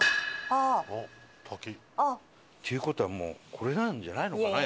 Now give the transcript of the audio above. あっ！っていう事はもうこれなんじゃないのかな？